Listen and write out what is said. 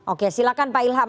oke silakan pak ilham